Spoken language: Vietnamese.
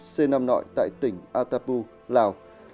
c năm nội tại tỉnh atapu lào